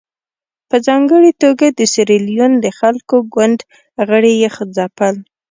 په ځانګړې توګه د سیریلیون د خلکو ګوند غړي یې ځپل.